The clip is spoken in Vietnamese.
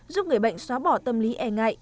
giúp người bệnh xóa bỏ tâm lý ẻ ngại